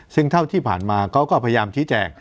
ซึ่งเท่าที่ผ่านมาเขาก็พยายามชี้แจง